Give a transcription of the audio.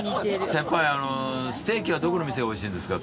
先輩ステーキはどこの店がおいしいんですか？